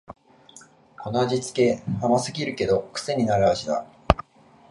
この味つけ、甘すぎるけどくせになる味だ